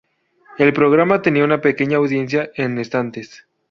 El programa tenía una pequeña audiencia en estantes.